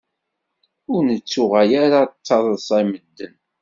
Ur nettuɣal ara d taḍṣa i medden.